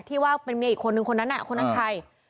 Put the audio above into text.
ว่าเป็นเมียอีกคนนึงคนนั้นคนนั้นใคร